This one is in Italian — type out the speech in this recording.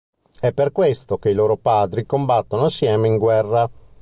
È per questo che i loro padri combattono assieme in guerra.